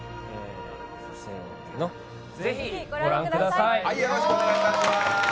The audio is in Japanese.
せーの、ぜひご覧ください。